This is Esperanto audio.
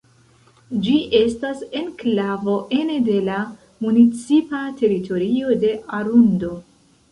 Ĝi estas enklavo ene de la municipa teritorio de Arundo.